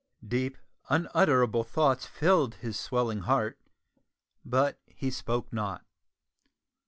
Deep unutterable thoughts filled his swelling heart, but he spoke not.